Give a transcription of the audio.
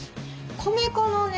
米粉のね